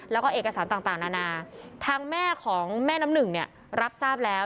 แล้วก็เอกสารต่างนานาทางแม่ของแม่น้ำหนึ่งเนี่ยรับทราบแล้ว